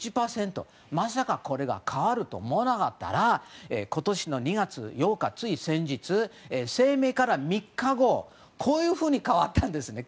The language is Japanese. まさかこれが変わると思わなかったら今年の２月８日、つい先日声明から３日後こういうふうに変わったんです。